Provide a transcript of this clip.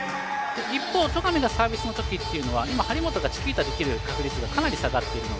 一方、戸上がサービスの時というのは今、張本がチキータできる確率がかなり下がっているので